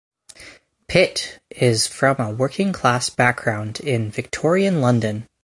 Pitt is from a working-class background in Victorian London.